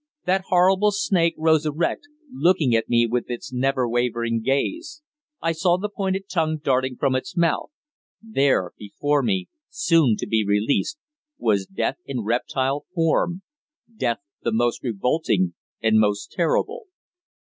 That horrible snake rose erect, looking at me with its never wavering gaze. I saw the pointed tongue darting from its mouth. There before me soon to be released, was Death in reptile form Death the most revolting and most terrible.